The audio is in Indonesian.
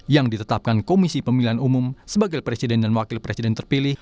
yang ditetapkan komisi pemilihan umum sebagai presiden dan wakil presiden terpilih